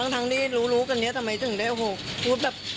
ทั้งที่รู้กันเนี่ยทำไมถึงเนี่ย